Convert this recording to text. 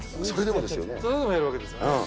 それでもやるわけですよ。